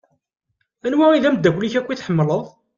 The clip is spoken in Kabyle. Anwa i d-amdakel-ik akk i tḥemmleḍ?